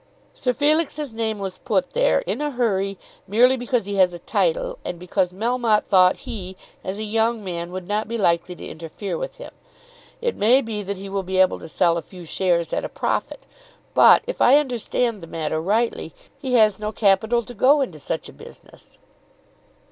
"Sir Felix's name was put there, in a hurry, merely because he has a title, and because Melmotte thought he, as a young man, would not be likely to interfere with him. It may be that he will be able to sell a few shares at a profit; but, if I understand the matter rightly, he has no capital to go into such a business."